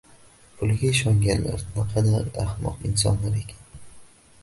Puliga ishonganlar naqadar ahmoq insonlar ekan.